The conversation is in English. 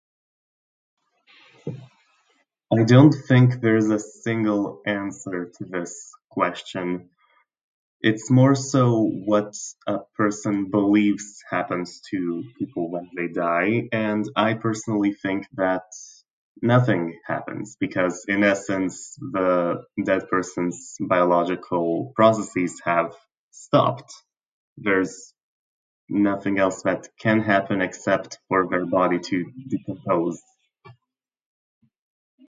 I don't think there's a single answer to this question. It's more so what a person believes happens to people when they die, and I personally think that nothing happens because, in essence, the dead person's biological processes have stopped. There's nothing else that can happen except were their body to decompose.